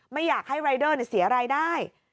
ไม่อยากให้รายเดอร์เสียรายได้